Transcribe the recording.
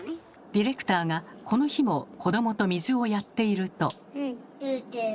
ディレクターがこの日も子どもと水をやっていると。